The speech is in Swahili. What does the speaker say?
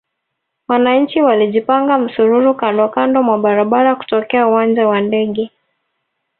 Wananchi walijipanga msururu kandokando mwa barabara kutokea uwanja wa ndege